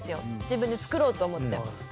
自分で作ろうと思って。